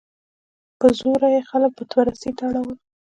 په زوره یې خلک بت پرستۍ ته اړول.